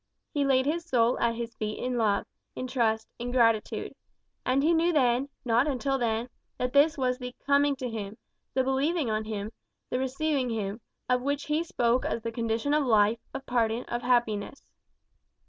He laid his soul at his feet in love, in trust, in gratitude. And he knew then, not until then, that this was the "coming" to him, the "believing" on him, the receiving him, of which He spoke as the condition of life, of pardon, and of happiness.